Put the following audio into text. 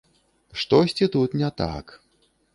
Штосьці тут не так.